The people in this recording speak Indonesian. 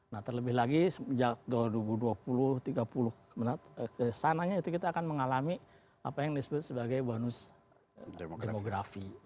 nah terlebih lagi sejak dua ribu dua puluh dua ribu tiga puluh kesananya itu kita akan mengalami apa yang disebut sebagai bonus demografi